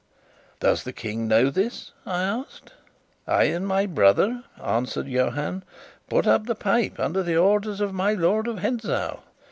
"Does the King know this?" I asked. "I and my brother," answered Johann, "put up the pipe, under the orders of my Lord of Hentzau.